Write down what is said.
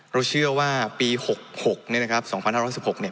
เราเชื่อว่าปีหกหกเนี้ยนะครับสองพันห้าร้อยสิบหกเนี้ย